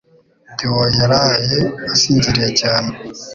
Theo yaraye asinziriye cyane